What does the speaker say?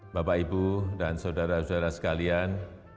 bapak ibu dan saudara saudara sekalian